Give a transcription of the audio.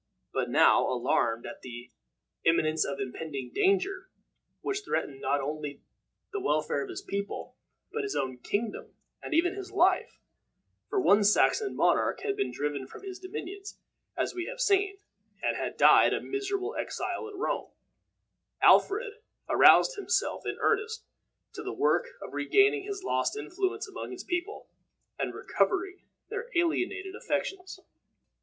But now, alarmed at the imminence of the impending danger, which threatened not only the welfare of his people, but his own kingdom and even his life for one Saxon monarch had been driven from his dominions, as we have seen, and had died a miserable exile at Rome Alfred aroused himself in earnest to the work of regaining his lost influence among his people, and recovering their alienated affections.